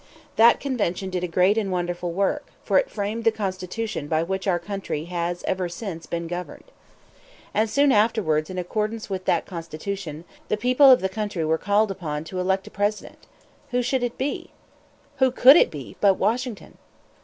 That convention did a great and wonderful work; for it framed the Constitution by which our country has ever since been governed. And soon afterwards, in accordance with that Constitution, the people of the country were called upon to elect a President. Who should it be? Who could it be but Washington?